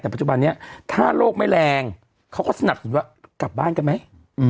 แต่ปัจจุบันนี้ถ้าโรคไม่แรงเขาก็สนับสนุนว่ากลับบ้านกันไหม